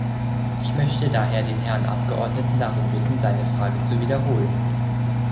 Ich möchte daher den Herrn Abgeordneten darum bitten, seine Frage zu wiederholen.